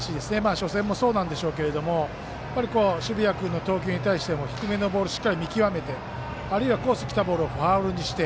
初戦もそうなんでしょうけど澁谷君の投球に対してもしっかり低めを見極めてあるいはコースにきたボールをファウルにして。